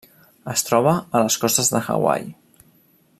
Es troba a les costes de Hawaii.